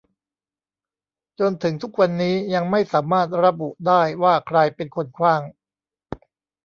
จนถึงทุกวันนี้ยังไม่สามารถระบุได้ว่าใครเป็นคนขว้าง